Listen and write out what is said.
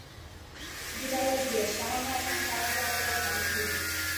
বিড়ালের বিয়ে, সাহানা এবং সারঙ্গ একেবারে বন্ধ হইল।